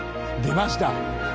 出ました